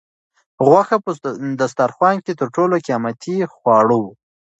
غوښه په دسترخوان کې تر ټولو قیمتي خواړه وو.